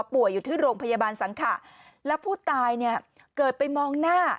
อยู่ที่โรงพยาบาลสังขะแล้วผู้ตายเนี่ยเกิดไปมองหน้า